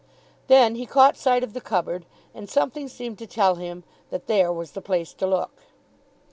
Then he caught sight of the cupboard, and something seemed to tell him that there was the place to look.